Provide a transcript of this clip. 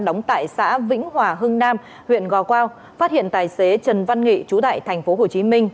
đóng tại xã vĩnh hòa hưng nam huyện gò quao phát hiện tài xế trần văn nghị chú đại thành phố hồ chí minh